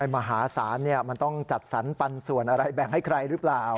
มหาศาลมันต้องจัดสรรปันส่วนอะไรแบ่งให้ใครหรือเปล่า